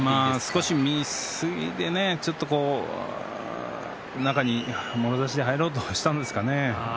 ちょっと見すぎでね中にもろ差しで入ろうとしたんですかね。